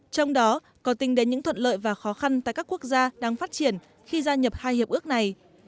trong đó có tính đến những thuận lợi và khó khăn tại các quốc gia đang phát triển khi gia nhập hai hiệp ước này